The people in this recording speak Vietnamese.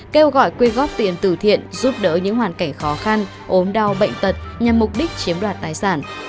kêu gọi quyên góp tiền tử thiện giúp đỡ những hoàn cảnh khó khăn ốm đau bệnh tật nhằm mục đích chiếm đoạt tài sản